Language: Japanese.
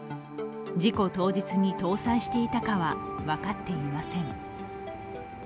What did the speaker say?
事故当日に搭載していたかは分かっていません。